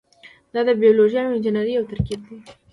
دا د بیولوژي او انجنیری یو ترکیب دی.